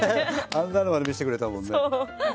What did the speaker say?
あんなのまで見せてくれたもんね。